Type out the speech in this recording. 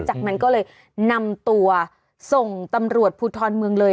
จากนั้นก็เลยนำตัวส่งตำรวจภูทรเมืองเลย